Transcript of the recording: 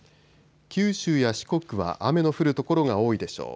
九州や四国は雨の降る所が多いでしょう。